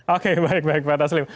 oke baik baik pak taslim